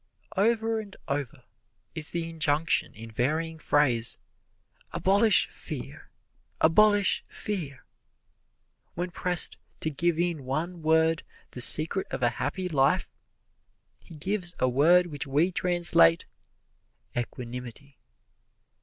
Over and over is the injunction in varying phrase, "Abolish fear abolish fear!" When pressed to give in one word the secret of a happy life, he gives a word which we translate, "Equanimity."